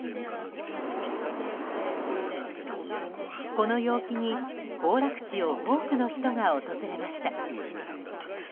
この陽気に、行楽地を多くの人が訪れました。